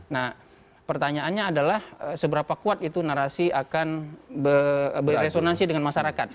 nah pertanyaannya adalah seberapa kuat itu narasi akan beresonansi dengan masyarakat